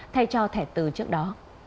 thay cho thẻ tử trước đó